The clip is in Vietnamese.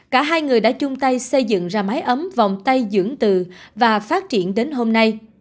cả hai người đã chung tay xây dựng ra mái ấm vòng tay dưỡng từ và phát triển đến hôm nay